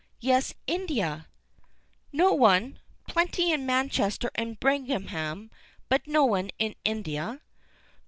"Yes, India." "Not one. Plenty in Manchester and Birmingham, but not one in India."